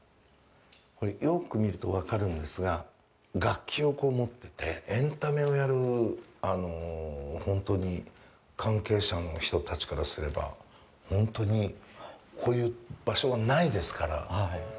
これ、よく見ると分かるんですが楽器をこう持ってて、エンタメをやる本当に関係者の人たちからすれば本当に、こういう場所はないですから。